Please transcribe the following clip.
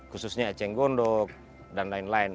khususnya eceng gondok dan lain lain